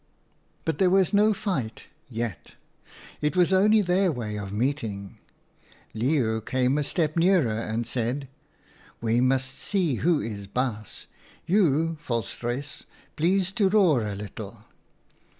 " But there was no fight — yet. It was only their way of meeting. Leeuw came a step nearer and said, ' We must see who is baas. You, Volstruis, please to roar a little.'